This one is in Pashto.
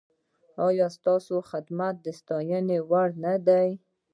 ایا ستاسو خدمت د ستاینې وړ نه دی؟